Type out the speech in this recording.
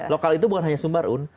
lokal itu bukan hanya sumbar un